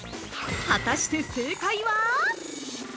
◆果たして、正解は？